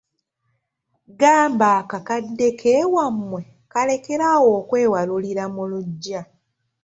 Gamba akakadde k’ewammwe kalekere awo okwewalulira mu luggya.